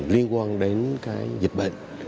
liên quan đến cái dịch bệnh